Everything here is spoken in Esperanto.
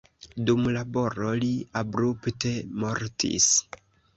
Dum laboro li abrupte mortis.